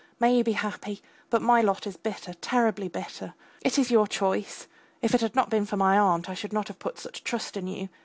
May you be happy, but my lot is bitter, terribly bitter! It is your choice. If it had not been for my aunt I should not have put such trust in you.